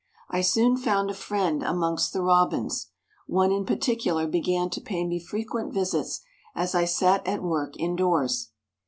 I soon found a friend amongst the robins; one in particular began to pay me frequent visits as I sat at work indoors.